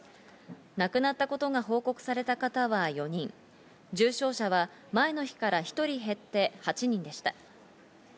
亡くなったことが報告された方は４人、重症者は前の日から１人減って８人でした。